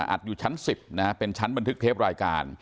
อัดอยู่ชั้น๑๐เป็นชั้นบันทึกเทปวายการ